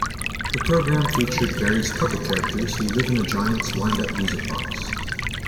The program featured various puppet characters who live in a Giant's wind-up music box.